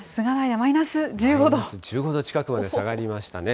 マイナス１５度近くまで下がりましたね。